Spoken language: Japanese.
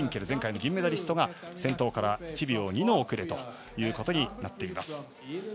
前回の銀メダリストが先頭から１秒２の遅れとなっています。